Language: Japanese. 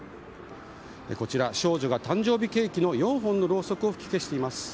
こちら、少女が誕生日ケーキの４本のろうそくを吹き消しています。